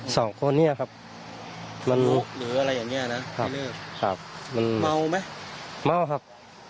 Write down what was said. สองคนเนี่ยครับหรืออะไรอย่างเงี้ยนะครับครับมันเมาไหมเมาครับ